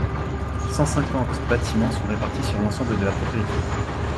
Cent cinquante bâtiments sont répartis sur l'ensemble de la propriété.